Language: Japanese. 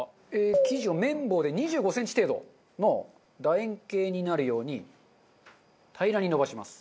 生地を麺棒で２５センチ程度の楕円形になるように平らに延ばします。